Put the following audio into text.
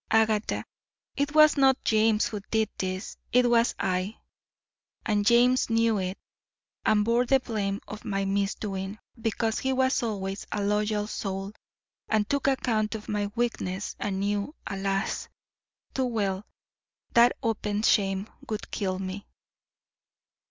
Agatha, it was not James who did this it was I; and James knew it, and bore the blame of my misdoing because he was always a loyal soul and took account of my weakness and knew, alas! too well, that open shame would kill me."